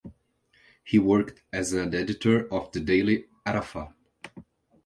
He worked as the editor of The Daily Arafat.